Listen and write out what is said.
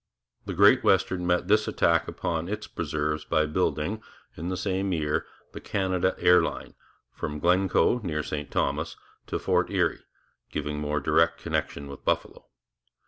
The Great Western met this attack upon its preserves by building in the same year the Canada Air Line, from Glencoe near St Thomas, to Fort Erie, giving more direct connection with Buffalo.